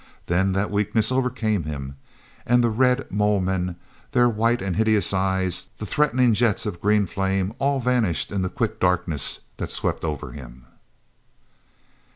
Then that weakness overcame him; and the red Mole men, their white and hideous eyes, the threatening jets of green flame, all vanished in the quick darkness that swept over him....